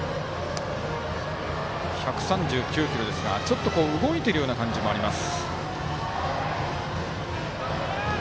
１３９キロですが、ちょっと動いている感じもあります。